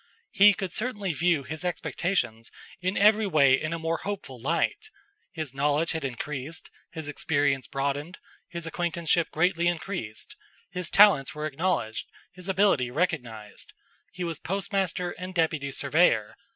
He could certainly view his expectations in every way in a more hopeful light. His knowledge had increased, his experience broadened, his acquaintanceship greatly increased. His talents were acknowledged, his ability recognized. He was postmaster and deputy surveyor.